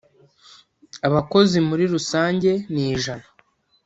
abakozi muri rusange nijana.